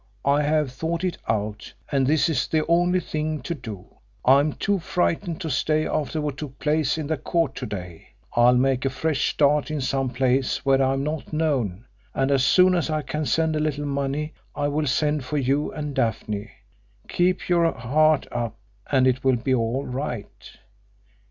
I have thought it out and this is the only thing to do. I am too frightened to stay after what took place in the court to day. I'll make a fresh start in some place where I am not known, and as soon as I can send a little money I will send for you and Daphne. Keep your heart up and it will be all right.